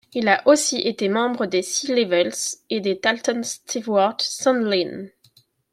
Il a aussi été membre des Sea Level et des Talton Stewart Sandlin.